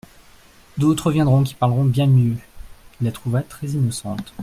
D'autres viendront qui parleront bien mieux.» Il la trouva très-innocente.